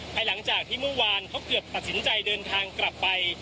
ภายหลังจากที่เมื่อวานเขาเกือบตัดสินใจเดินทางกลับไป